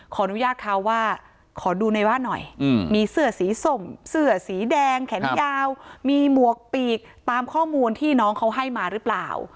ขออนุญาตเขาว่าขอดูในบ้านหน่อยมีเสื้อสีส้มเสื้อสีแดงแขนยาวมีหมวกปีกตามข้อมูลที่น้องเขาให้มาหรือเปล่า